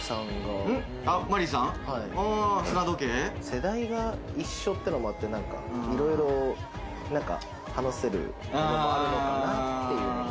世代が一緒ってのもあってなんかいろいろ話せるものもあるのかなっていうのも。